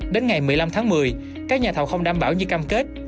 đến ngày một mươi năm tháng một mươi các nhà thầu không đảm bảo như cam kết